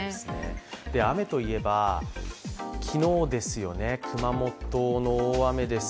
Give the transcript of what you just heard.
雨といえば、昨日ですよね熊本の大雨です。